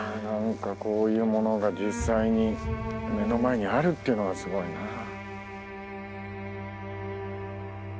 何かこういうものが実際に目の前にあるっていうのがすごいな。